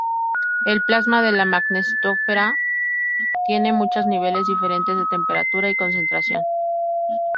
El plasma de la magnetosfera tiene muchos niveles diferentes de temperatura y concentración.